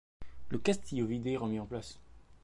Le Castillo vidé est remis en place.